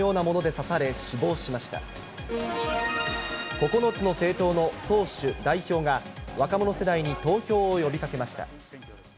９つの政党の党首、代表が若者世代に投票を呼びかけました。